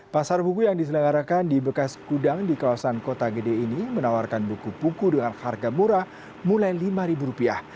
pasar buku yang diselenggarakan di bekas gudang di kawasan kota gede ini menawarkan buku buku dengan harga murah mulai rp lima